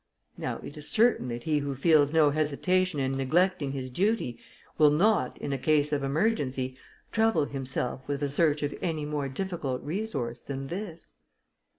Now, it is certain, that he who feels no hesitation in neglecting his duty, will not, in a case of emergency, trouble himself with the search of any more difficult resource than this."